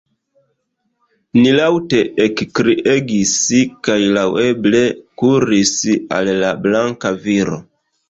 Ni laŭte ekkriegis, kaj laŭeble kuris al la blanka viro.